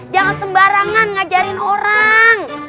jangan sembarangan ngajarin orang